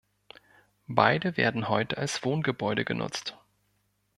Beide werden heute als Wohngebäude genutzt.